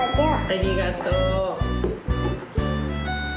ありがとう。